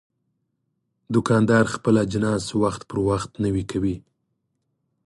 دوکاندار خپل اجناس وخت پر وخت نوی کوي.